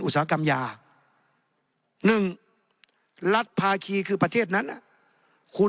คุณต้องมีองค์กรเฉพาะในประเทศตั้งขึ้น